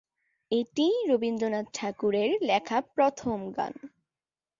এটিই রবীন্দ্রনাথ ঠাকুরের লেখা প্রথম গান।